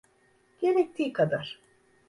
Gerektiği kadar.